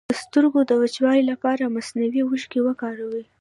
د سترګو د وچوالي لپاره مصنوعي اوښکې وکاروئ